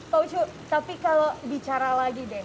pak ucu tapi kalau bicara lagi deh